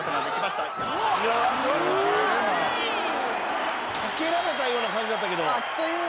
「かけられたような感じだったけど」